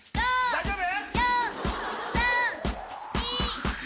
大丈夫？